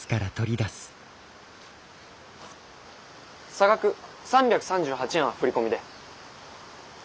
差額３３８円は振込で。